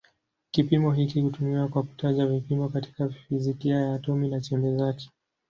Kipimo hiki hutumiwa kwa kutaja vipimo katika fizikia ya atomi na chembe zake.